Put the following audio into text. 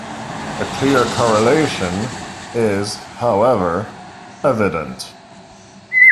A clear correlation is, however, evident.